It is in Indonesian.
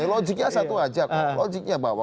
logiknya satu aja